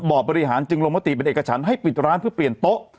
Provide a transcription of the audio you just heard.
บริหารจึงลงมติเป็นเอกฉันให้ปิดร้านเพื่อเปลี่ยนโต๊ะ